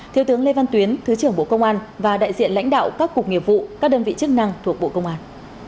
thiếu tướng lê văn tuyến thứ trưởng bộ công an và đại diện lãnh đạo các cục nghiệp vụ các đơn vị chức năng thuộc bộ công an